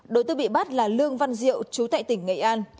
đối tượng bị bắt là lương văn diệu chú tại tỉnh nghệ an